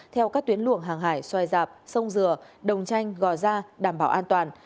theo các tuyến luồng hàng hải xoay dạp sông dừa đồng tranh gò ra đảm bảo an toàn